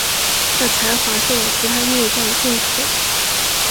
他的才华受到其他音乐家的重视。